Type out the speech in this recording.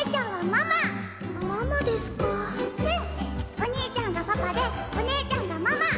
お兄ちゃんがパパでお姉ちゃんがママ！